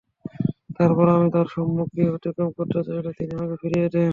তারপর আমি তাঁর সম্মুখ দিয়ে অতিক্রম করতে চাইলে তিনি আমাকে ফিরিয়ে দেন।